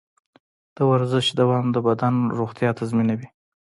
د ورزش دوام د بدن روغتیا تضمینوي.